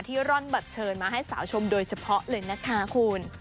ร่อนบัตรเชิญมาให้สาวชมโดยเฉพาะเลยนะคะคุณ